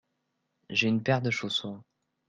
J'ai une paire de chaussons.